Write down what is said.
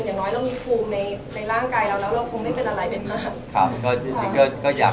อย่างน้อยเรามีภูมิในร่างกายเราแล้วเราคงไม่เป็นอะไรเป็นมาก